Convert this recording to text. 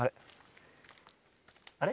あれ？